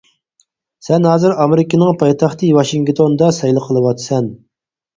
سەن ھازىر ئامېرىكىنىڭ پايتەختى ۋاشىنگتوندا سەيلە قىلىۋاتىسەن.